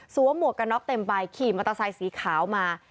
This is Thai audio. หมวกกันน็อกเต็มใบขี่มอเตอร์ไซค์สีขาวมา